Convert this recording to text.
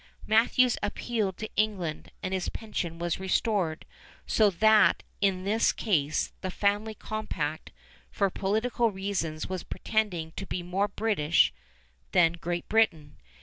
Matthews appealed to England, and his pension was restored, so that in this case "the family compact" for political reasons was pretending to be more British than Great Britain.